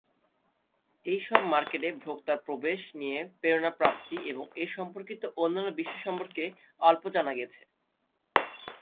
এইসব মার্কেটে ভোক্তার প্রবেশ নিয়ে প্রেরণা প্রাপ্তি এবং এ সম্পর্কিত অন্যান্য বিষয় সম্পর্কে অল্প জানা গেছে।